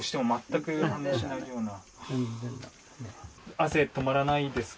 汗止まらないですか？